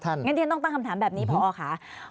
งั้นที่ฉันต้องตั้งคำถามแบบนี้พอค่ะ